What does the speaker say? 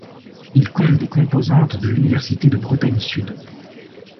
Il compte des composantes de l'Université de Bretagne-Sud.